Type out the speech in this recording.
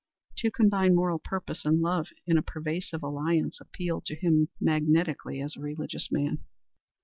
To combine moral purpose and love in a pervasive alliance appealed to him magnetically as a religious man.